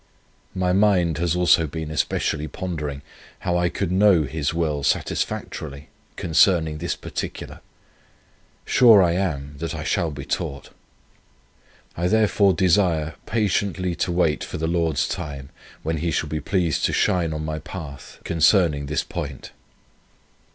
My mind has also been especially pondering, how I could know His will satisfactorily concerning this particular. Sure I am, that I shall be taught. I therefore desire patiently to wait for the Lord's time, when He shall be pleased to shine on my path concerning this point.